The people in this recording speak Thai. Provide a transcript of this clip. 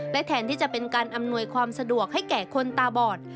และแทนที่จะเป็นการอำนวยความสะดวกให้แก่คนตาบอด